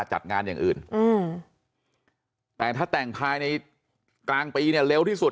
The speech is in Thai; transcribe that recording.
จัดงานอย่างอื่นแต่ถ้าแต่งภายในกลางปีเนี่ยเร็วที่สุด